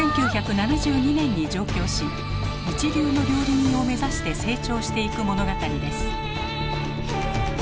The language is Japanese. １９７２年に上京し一流の料理人を目指して成長していく物語です